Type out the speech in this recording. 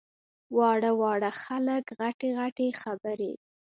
واړه واړه خلک غټې غټې خبرې!